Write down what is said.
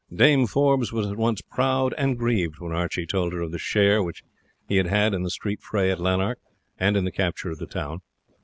Dame Forbes was at once proud and grieved when Archie told her of the share which he had had in the street fray at Lanark, and in the capture of the town.